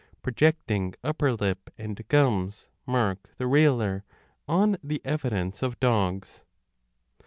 Projecting upper lip and gums mark the railer, on the evidence of dogs.